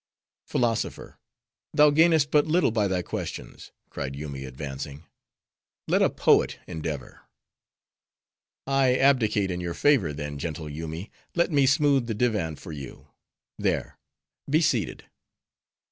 "Philosopher, thou gainest but little by thy questions," cried Yoomy advancing. "Let a poet endeavor." "I abdicate in your favor, then, gentle Yoomy; let me smooth the divan for you;—there: be seated."